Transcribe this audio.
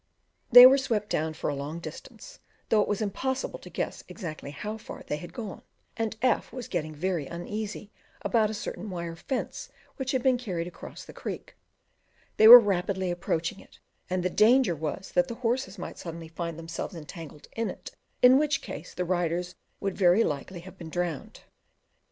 They were swept down for a long distance, though it was impossible to guess exactly how far they had gone, and F was getting very uneasy about a certain wire fence which had been carried across the creek; they were rapidly approaching it, and the danger was that the horses might suddenly find themselves entangled in it, in which case the riders would very likely have been drowned.